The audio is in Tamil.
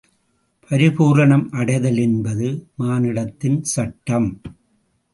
பரிபூரணம் அடைதல் என்பது மானிடத்தின் சட்டம்!